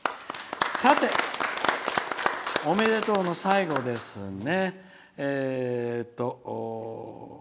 さて、おめでとうの最後ですね。